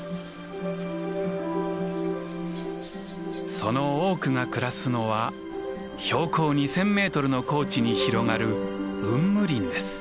その多くが暮らすのは標高２，０００メートルの高地に広がる「雲霧林」です。